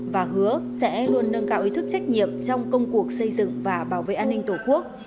và hứa sẽ luôn nâng cao ý thức trách nhiệm trong công cuộc xây dựng và bảo vệ an ninh tổ quốc